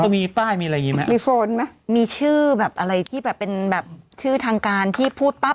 มีชื่อแบบอะไรที่เป็นชื่อทางการที่พูดปั๊บ